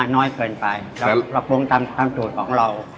น้อยเกินไปเราปรับปรุงตามสูตรของเรา